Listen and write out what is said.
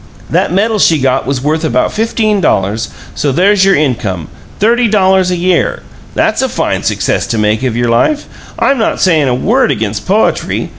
That medal she got was worth about fifteen dollars, so there's your income thirty dollars a year! That's a fine success to make of your life! I'm not sayin' a word against poetry.